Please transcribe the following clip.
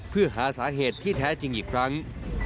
เพื่อหาสาเหตุที่แท้จริงอีกครั้ง